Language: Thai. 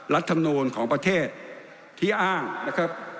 รัฐมนูลของประเทศที่อ้างนะครับ